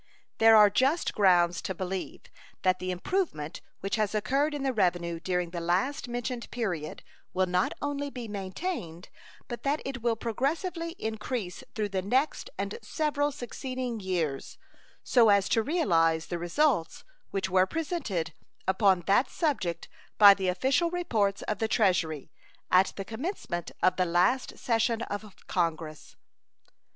There are just grounds to believe that the improvement which has occurred in the revenue during the last mentioned period will not only be maintained, but that it will progressively increase through the next and several succeeding years, so as to realize the results which were presented upon that subject by the official reports of the Treasury at the commencement of the last session of Congress.